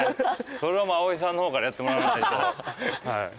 それはもう葵さんの方からやってもらわないと。